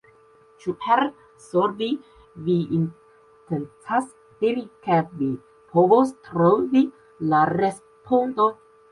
Ĉu per solvi vi intencas diri ke vi povos trovi la respondon?